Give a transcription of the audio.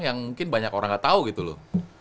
yang mungkin banyak orang gak tau gitu loh